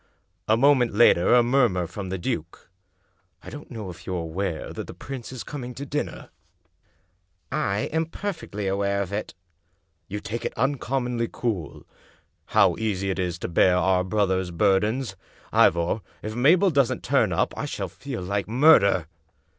A moment later, a murmur from the duke :" I don't know if you're aware that the prince is coming to dinner?" 290 The Lost Duchess " I am perfectly aware of it" " You take it uncommonly cool. How easy it is to bear our brother's burdens I Ivor, if Mabel doesn't turn up I shall feel like murder."